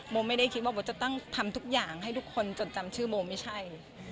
โมไม่ได้คิดว่าโบจะต้องทำทุกอย่างให้ทุกคนจดจำชื่อโมไม่ใช่